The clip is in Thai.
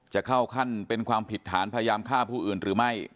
จะเข้าขั้นเป็นความผิดฐานพยายามฆ่าผู้อื่นหรือไม่